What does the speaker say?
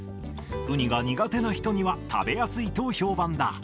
ウニが苦手な人には食べやすいと評判だ。